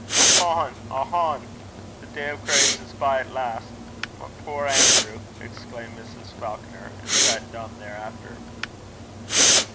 'Ohone! Ohone! the day o' grace is by at last! My puir Anerew!' exclaimed Mrs. Falconer, and sat dumb thereafter.